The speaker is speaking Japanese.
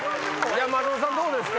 松本さんどうですか？